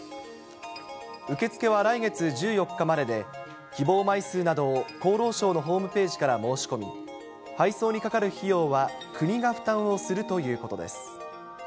受け付けは来月１４日までで、希望枚数などを厚労省のホームページから申し込み、配送にかかる費用は、国が負担をするということです。